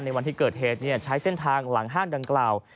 วันที่เกิดเหตุใช้เส้นทางหลังห้างดังกล่าว